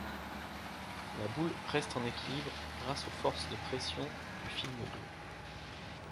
La boule reste en équilibre grâce aux forces de pression du film d'eau.